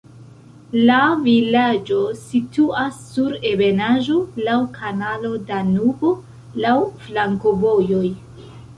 La vilaĝo situas sur ebenaĵo, laŭ kanalo Danubo, laŭ flankovojoj.